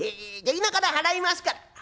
じゃ今から払いますから。